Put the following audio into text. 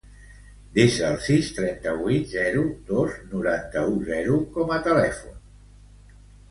Desa el sis, trenta-vuit, zero, dos, noranta-u, zero com a telèfon del Naïm Corraliza.